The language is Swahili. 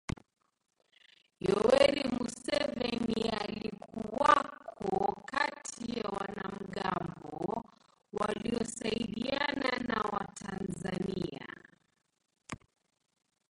Yoweri Museveni alikuwako kati ya wanamgambo waliosaidiana na Watanzania